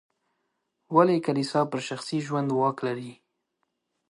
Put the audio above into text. ولې کلیسا پر شخصي ژوند واک لري.